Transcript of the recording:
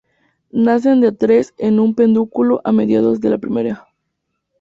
Nacen de a tres en un pedúnculo a mediados de primavera.